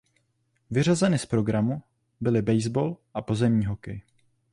Vyřazeny z programu byly baseball a pozemní hokej.